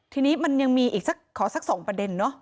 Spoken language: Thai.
ทีนี้มันยังมีอีกสักขอสัก๒ประเด็นเนอะ